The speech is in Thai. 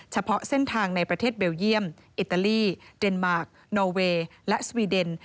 เฉพาะเส้นทางในประเทศเบลเยี่ยมอิตาลีเดนมาร์คนอเวย์และสวีเดน